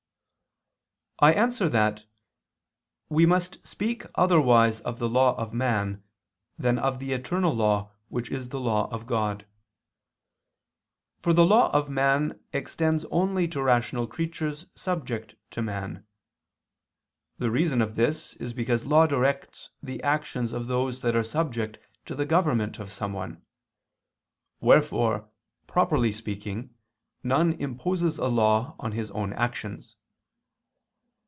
I answer that, We must speak otherwise of the law of man, than of the eternal law which is the law of God. For the law of man extends only to rational creatures subject to man. The reason of this is because law directs the actions of those that are subject to the government of someone: wherefore, properly speaking, none imposes a law on his own actions.